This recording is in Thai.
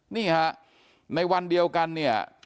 นี่ฮะในวันเดียวกันเนี่ย